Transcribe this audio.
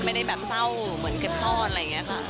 ไม่ได้แบบเศร้าเหมือนเก็บซ่อนอะไรอย่างนี้ค่ะ